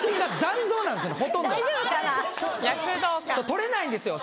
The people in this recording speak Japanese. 撮れないんですよ。